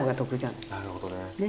なるほどね。